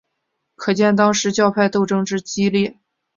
可见当时教派斗争之激烈。